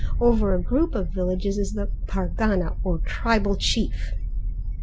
Over a group of villages is the pargana or tribal chief.